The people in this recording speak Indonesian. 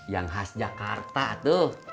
yang khas jakarta tuh